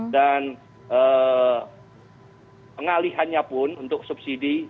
dan pengalihannya pun untuk subsidi